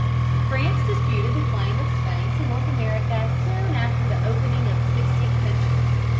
France disputed the claim of Spain to North America soon after the opening of the sixteenth century.